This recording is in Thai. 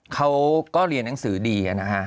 เขาก็เรียนหนังสือดีนะฮะ